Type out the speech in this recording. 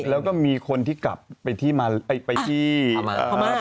แล้วก็มีคนที่กลับไปที่มาไปที่มา